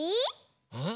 うん？